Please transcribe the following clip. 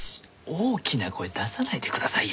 大きな声出さないでくださいよ。